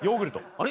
あれ？